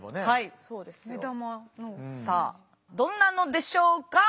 どんなのでしょうか。